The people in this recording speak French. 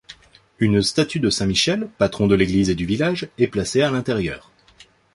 Une statue de Saint-Michel, patron de l’église et du village, est placée à l’intérieur.